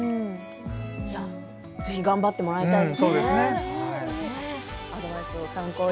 ぜひ頑張ってもらいたいですね。